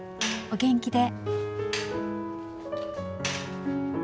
お元気で。